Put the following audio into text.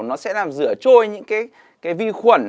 nó sẽ làm rửa trôi những cái vi khuẩn